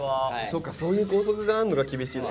そっかそういう校則があんのが厳しい。